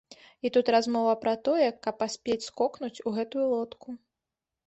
І тут размова пра тое, каб паспець скокнуць у гэтую лодку.